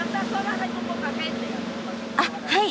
あっはい。